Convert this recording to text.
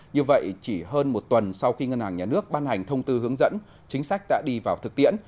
như vậy chỉ hơn một tuần sau khi ngân hàng nhà nước ban hành thông tư hướng dẫn chính sách đã đi vào thực tiễn